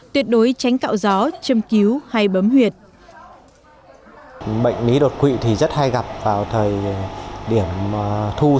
tuyệt đối tránh cạo gió châm cứu hay bấm huyệt